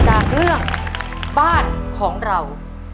จากเรื่องบ้านของเรา